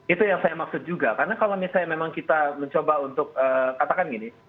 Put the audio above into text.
itu yang saya maksud juga karena kalau misalnya memang kita mencoba untuk katakan gini